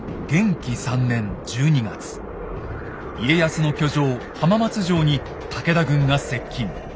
家康の居城・浜松城に武田軍が接近。